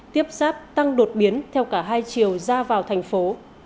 tiếp sáp tăng đột biến theo cả hai chiều ra vào thành phố